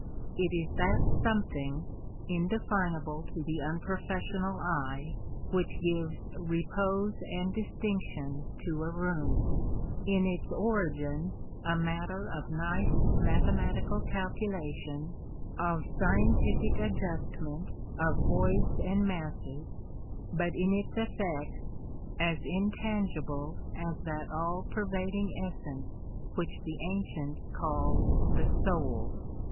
It is that something, indefinable to the unprofessional eye, which gives repose and distinction to a room: in its origin a matter of nice mathematical calculation, of scientific adjustment of voids and masses, but in its effects as intangible as that all pervading essence which the ancients called the soul.